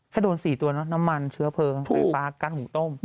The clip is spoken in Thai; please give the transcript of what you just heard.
โดน๔ตัวนะน้ำมันเชื้อเพลิงไฟฟ้ากั้นหุงต้ม